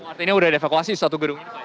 artinya sudah ada evakuasi di satu gedung